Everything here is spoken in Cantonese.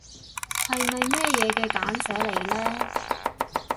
係咪咩嘢嘅簡寫嚟呢？